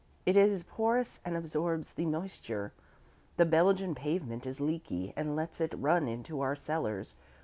It is porous and absorbs the moisture. The Belgian pavement is leaky, and lets it run into our cellars.